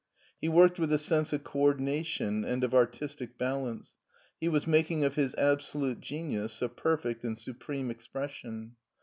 He worked with a sense of co ordination and of artistic balance, he was making of his absolute genius a perfect and supreme expression.